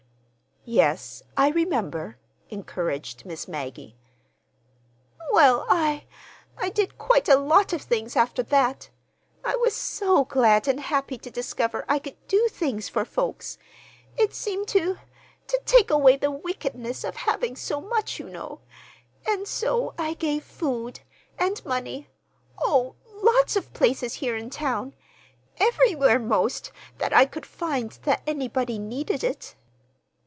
"Yes, I remember," encouraged Miss Maggie. "Well, I—I did quite a lot of things after that. I was so glad and happy to discover I could do things for folks. It seemed to—to take away the wickedness of my having so much, you know; and so I gave food and money, oh, lots of places here in town—everywhere, 'most, that I could find that anybody needed it."